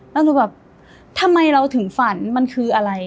แล้วหนูแบบทำไมเราถึงฝันมันคืออะไร